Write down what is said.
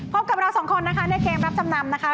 พบกับเราสองคนนะคะในเกมรับจำนำนะคะ